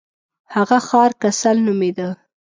هغه ښار کسل نومیده.